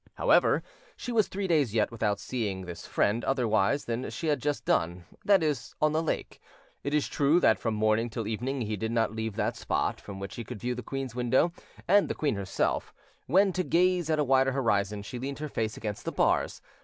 However, she was three days yet without seeing this friend otherwise than she had just done that is, on the lake. It is true that from morning till evening he did not leave that spot, from which he could view the queen's windows and the queen herself, when, to gaze at a wider horizon, she leaned her face against the bars.